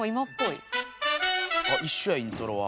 一緒やイントロは。